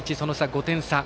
５点差。